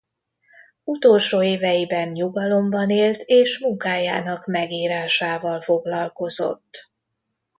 Utolsó éveiben nyugalomban élt és munkájának megírásával foglalkozott.